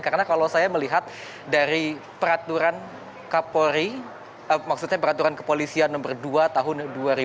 karena kalau saya melihat dari peraturan kapolri maksudnya peraturan kepolisian nomor dua tahun dua ribu dua puluh dua